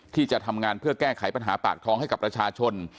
ที่จะทำงานเพื่อแก้ไขปัญหาปากท้องให้กับประชาชน